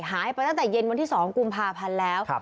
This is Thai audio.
หายไปตั้งแต่เย็นวันที่๒กุมภาพันธ์แล้ว